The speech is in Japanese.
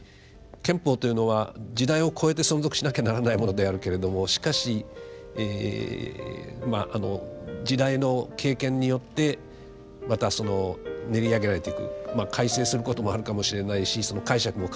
憲法というのは時代をこえて存続しなきゃならないものであるけれどもしかし時代の経験によってまた練り上げられていく改正することもあるかもしれないしその解釈も変わってくる。